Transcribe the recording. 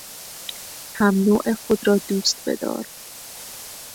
همنوع خود را دوست بدار.